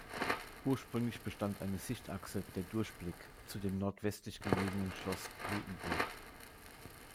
Ursprünglich bestand eine Sichtachse, der Durchblick, zu dem nordwestlich gelegenen Schloss Blutenburg.